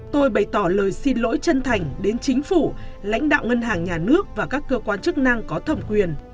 tôi bày tỏ lời xin lỗi chân thành đến chính phủ lãnh đạo ngân hàng nhà nước và các cơ quan chức năng có thẩm quyền